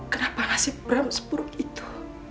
kenapa ngasih ram seburuk itu